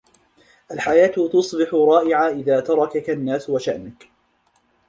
الحياة تصبح رائعة إذا تركك الناس و شأنك